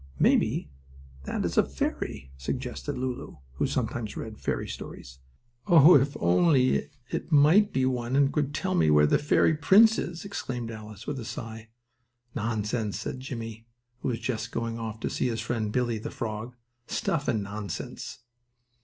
"Maybe that is a fairy," suggested Lulu, who sometimes read fairy stories. "Oh, if it only might be one, and could tell me where the fairy prince is!" exclaimed Alice, with a sigh. "Nonsense!" cried Jimmie, who was just going off to see his friend Bully, the frog. "Stuff and nonsense!"